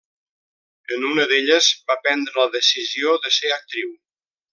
En una d'elles va prendre la decisió de ser actriu.